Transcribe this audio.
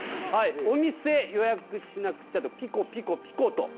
お店予約しなくちゃとピコピコピコと。